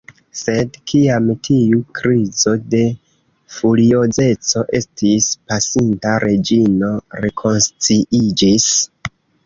Sed, kiam tiu krizo de furiozeco estis pasinta, Reĝino rekonsciiĝis.